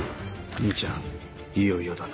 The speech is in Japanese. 兄ちゃんいよいよだな。